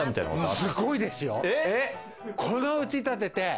すごいですよ。